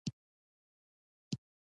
څنګه کولی شم د زده کړې لپاره تمرکز وکړم